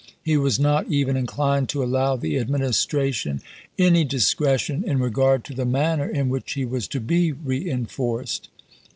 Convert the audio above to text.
He was not even inclined to allow the Administration any discretion in regard to the manner in which he was to be reenforced.